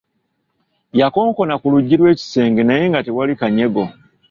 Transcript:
Yakonkona ku luggi lw'ekisenge naye nga tewali kanyego.